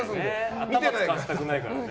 頭使わせたくないからね。